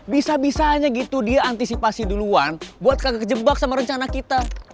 bisa bisa hanya gitu dia antisipasi duluan buat kagak kejebak sama rencana kita